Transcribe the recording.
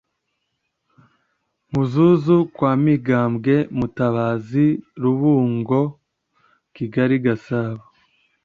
Nkuzuzu kwa Mibambwe Mutabazi Rubungo Kigali Gasabo